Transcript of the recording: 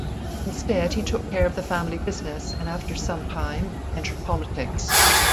Instead, he took care of the family business and after some time, entered politics.